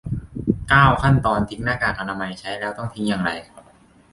เก้า ขั้นตอนทิ้งหน้ากากอนามัย ใช้แล้วต้องทิ้งอย่างไร